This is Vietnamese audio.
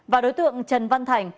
và đối tượng trần văn thành